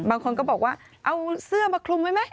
บางคนก็บอกว่าเอาเสื้อมาคลุมไว้ไหม